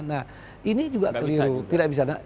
nah ini juga keliru